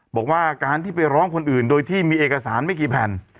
บอกว่าการที่ไปร้องคนอื่นโดยที่มีเอกสารไม่กี่แผ่น